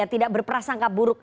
tidak berprasangka buruk